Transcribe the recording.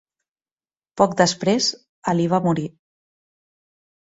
Poc després Alí va morir.